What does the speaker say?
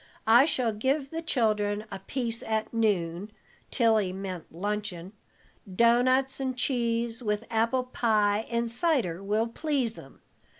"I shall give the children a piece at noon" (Tilly meant luncheon); "doughnuts and cheese, with apple pie and cider will please 'em.